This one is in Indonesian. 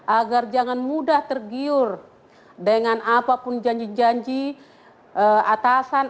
agar jangan mudah tergiur dengan apapun janji janji atasan